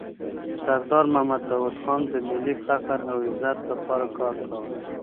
سردار محمد داود خان د ملي فخر او عزت لپاره کار کاوه.